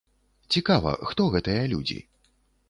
Цікава, хто гэтыя людзі?